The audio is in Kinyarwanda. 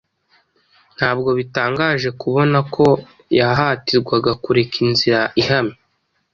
ntabwo bitangaje kubona ko yahatirwaga kureka inzira ihamye